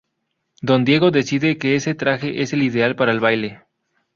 Don Diego decide que ese traje es el ideal para el baile.